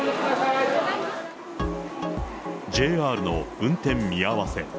ＪＲの運転見合わせ。